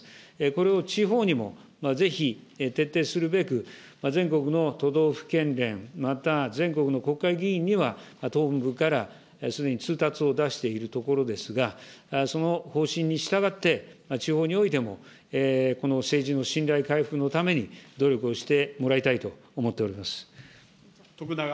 これを地方にもぜひ徹底するべく、全国の都道府県連、また全国の国会議員には、党本部からすでに通達を出しているところでありますが、その方針に従って、地方においてもこの政治の信頼回復のために努力をしてもらいたいと思っております。